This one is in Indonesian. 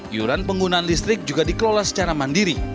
iuran penggunaan listrik juga dikelola secara mandiri